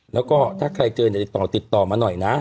แล้วก็ถ้าใครเจอเนี่ยติดต่อติดต่อมาหน่อยนะ